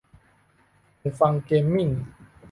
หูฟังเกมมิ่ง